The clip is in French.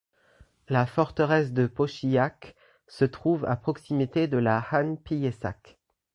La forteresse de Pošijak se trouve à proximité de la Han Pijesak.